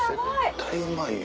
絶対うまいよ。